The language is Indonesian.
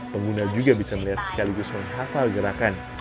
pengguna juga bisa melihat sekaligus menghafal gerakan